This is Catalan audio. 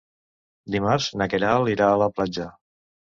Dimarts na Queralt irà a la platja.